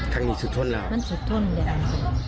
ทางนี้สุดทนแล้วมันสุดทนแดด